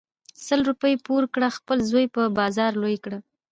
سل روپی پور کړه خپل زوی په بازار لوی کړه .